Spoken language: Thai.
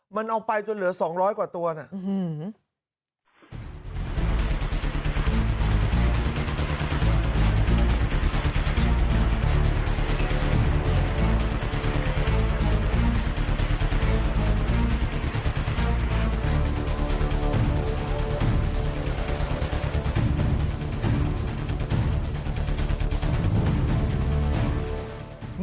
มันเอาไปจนเหลือสองร้อยกว่าตัวน่ะอืม